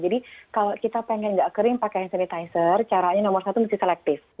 jadi kalau kita ingin tidak kering pakai hand sanitizer caranya nomor satu mesti selektif